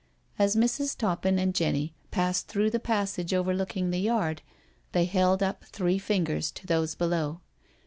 As Mrs. Toppin and Jenny passed through the passage overlooking the yard, they held up three fingers to those below.